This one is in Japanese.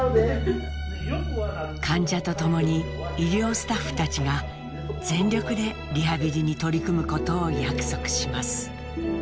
患者とともに医療スタッフたちが全力でリハビリに取り組むことを約束します。